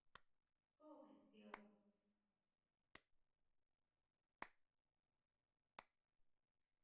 袂顧得